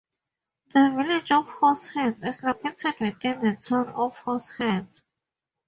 The village of Horseheads is located within the town of Horseheads.